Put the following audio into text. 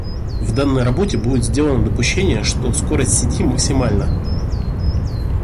В данной работе будет сделано допущение что скорость сети максимальна.